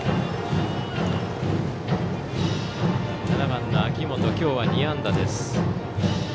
７番の秋元、今日は２安打です。